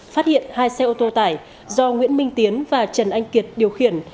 phát hiện hai xe ô tô tải do nguyễn minh tiến và trần anh kiệt điều khiển